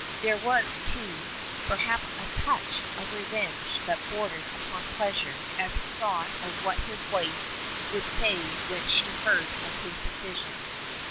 There was, too, perhaps a touch of revenge that bordered upon pleasure as he thought of what his wife would say when she heard of his decision.